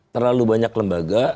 terlalu banyak lembaga